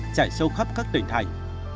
chạy sâu khắp các tỉnh thành